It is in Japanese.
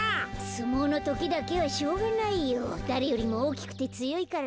すもうのときだけはしょうがないよ。だれよりもおおきくてつよいからねえ。